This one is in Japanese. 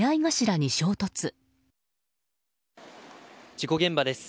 事故現場です。